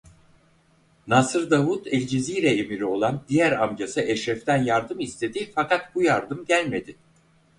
Nasır Davud Elcezire Emiri olan diğer amcası Eşref'den yardım istedi fakat bu yardım gelmedi.